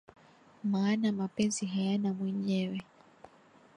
Maana mapenzi hayana mwenyewe